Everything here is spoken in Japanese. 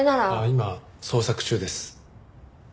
今捜索中です。